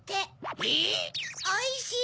えっ⁉おいしい